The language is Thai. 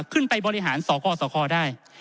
ขึ้นไปบริหารสคสคได้